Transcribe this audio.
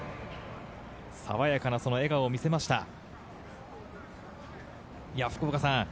爽やかな笑顔を見せました。